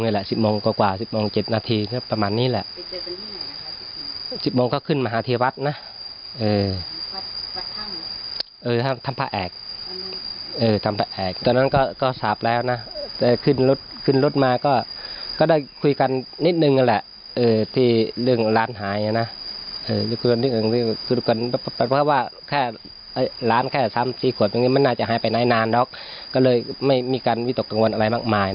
หลานแค่๓๔ขวดมันน่าจะหายไปนานแล้วก็เลยไม่มีการวิตกกังวลอะไรมากมาย